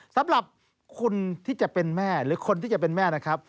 สำหรับคนที่จะเป็นแม่หรือคนที่จะเป็นแม่นะครับ